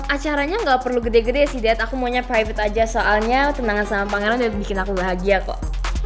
acaranya gak perlu gede gede sih dead aku maunya private aja soalnya kenangan sama pangeran dan bikin aku bahagia kok